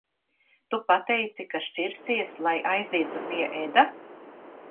Tu pateici, ka šķirsies, lai aizietu pie Eda?